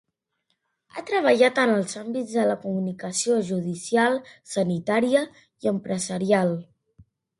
Ha treballat en els àmbits de la comunicació judicial, sanitària i empresarial.